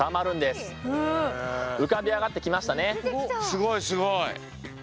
すごいすごい。